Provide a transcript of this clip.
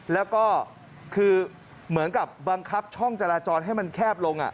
แล้วก็คือเหมือนกับบังคับช่องจราจรให้มันแคบลง